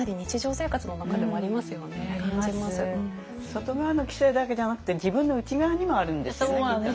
外側の規制だけじゃなくて自分の内側にもあるんですよねきっとね。